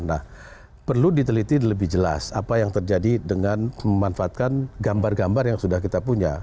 nah perlu diteliti lebih jelas apa yang terjadi dengan memanfaatkan gambar gambar yang sudah kita punya